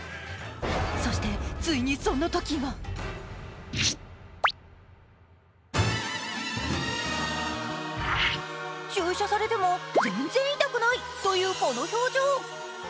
そして、ついにそのときが注射されても全然痛くないというこの表情。